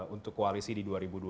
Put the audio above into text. untuk koalisi di dua ribu dua puluh